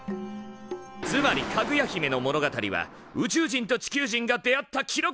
つまり「かぐや姫」の物語は宇宙人と地球人が出会った記録なのだ！